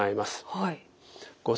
はい。